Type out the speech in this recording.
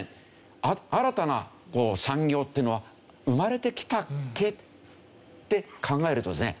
新たな産業っていうのは生まれてきたっけって考えるとですね